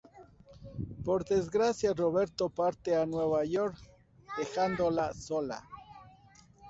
Por desgracia, Roberto parte a Nueva York, dejándola sola.